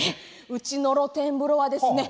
うちの露天風呂はですね